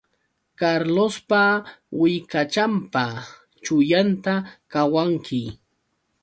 Carlospa willkachanpa chullunta qawanki